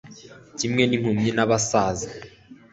Kimwe nimpumyi nabasaza